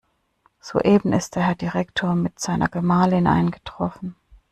Soeben ist der Herr Direktor mit seiner Gemahlin eingetroffen.